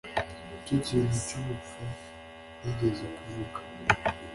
nicyo kintu cyubupfu nigeze kuvuga